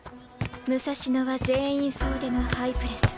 武蔵野は全員総出のハイプレス。